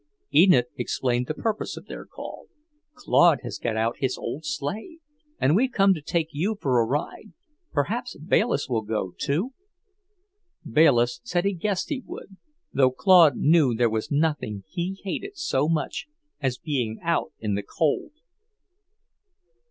Enid explained the purpose of their call. "Claude has got out his old sleigh, and we've come to take you for a ride. Perhaps Bayliss will go, too?" Bayliss said he guessed he would, though Claude knew there was nothing he hated so much as being out in the cold.